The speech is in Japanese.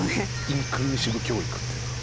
インクルーシブ教育って言うんですか。